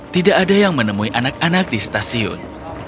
tidak ada yang menemui anak anak di stasiun